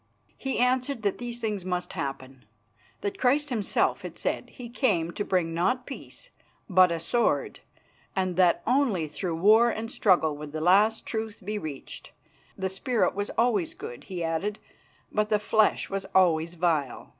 He answered that these things must happen; that Christ Himself had said He came to bring not peace but a sword, and that only through war and struggle would the last truth be reached. The spirit was always good, he added, but the flesh was always vile.